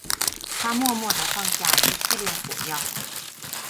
她默默地放下一系列火药。